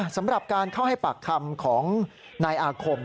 สำหรับการเข้าให้ปากคำของนายอาคม